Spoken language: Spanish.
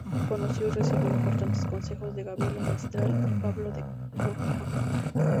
Conoció y recibió importantes consejos de Gabriela Mistral y Pablo de Rokha.